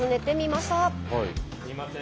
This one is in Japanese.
すいません